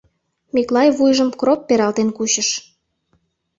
Миклай вуйжым кроп пералтен кучыш.